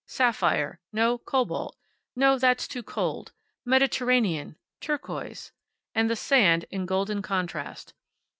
Sapphire. No, cobalt. No, that's too cold. Mediterranean. Turquoise. And the sand in golden contrast.